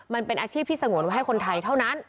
มันเป็นอาชีพที่สงวนไว้ให้คนไทยเท่านั้น